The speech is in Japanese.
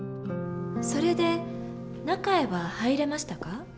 それで中へは入れましたか？